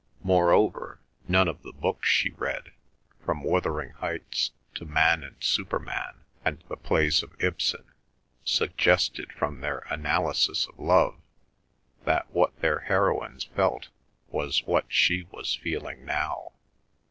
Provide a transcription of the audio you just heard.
Moreover, none of the books she read, from Wuthering Heights to Man and Superman, and the plays of Ibsen, suggested from their analysis of love that what their heroines felt was what she was feeling now.